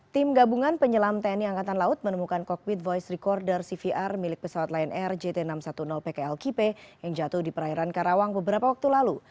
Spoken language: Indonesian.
tim gabungan penyelam tni angkatan laut menemukan cockpit voice recorder cvr milik pesawat lion air jt enam ratus sepuluh pkl kipe yang jatuh di perairan karawang beberapa waktu lalu